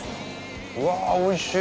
うわおいしい！